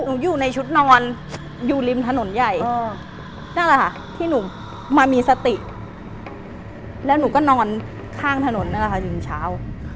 อยู่ในชุดนอนอยู่ริมถนนใหญ่นั่นแหละค่ะที่หนูมามีสติแล้วหนูก็นอนข้างถนนนั่นแหละค่ะยืนเช้า